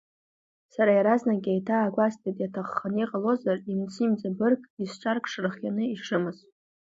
Сара иаразнак еиҭаагәасҭеит, иаҭахханы иҟалозар, имцы-иҵабырг, исҿаркша рхианы ишрымаз.